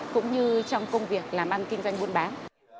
cũng như trong công việc làm ăn kinh doanh buôn bán